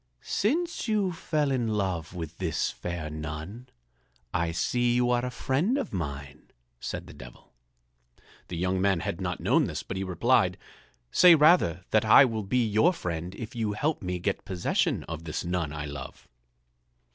"Since you fell in love with this fair nun, I see you are a friend of mine," said the Devil. The young man had not known this, but he replied: "Say rather that I will be your friend if you help me get possession of this nun I love."